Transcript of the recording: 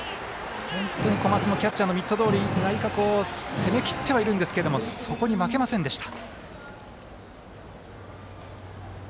本当に小松のキャッチャーのミットどおり内角を攻めきってはいるんですけどそこに負けませんでした。